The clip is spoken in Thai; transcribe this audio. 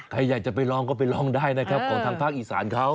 ใครอยากจะไปลองก็ไปลองได้นะครับของทางภาคอีสานเขา